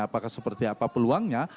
apakah seperti apa peluangnya